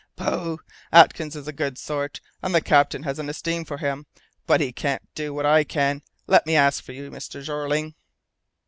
"Pooh! Atkins is a good sort, and the captain has an esteem for him. But he can't do what I can. Let me act for you, Mr. Jeorling."